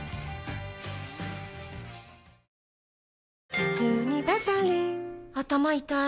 頭痛にバファリン頭痛い